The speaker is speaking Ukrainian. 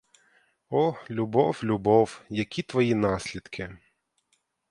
О любов, любов, які твої наслідки!